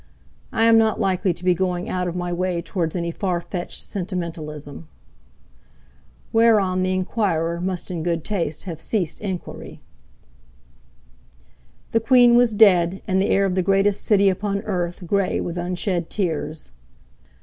I am not likely to be going out of my way towards any far fetched sentimentalism." Whereon, the enquirer must in good taste have ceased enquiry. The Queen was dead, and the air of the greatest city upon earth grey with unshed tears.